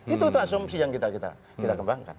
itu asumsi yang kita kembangkan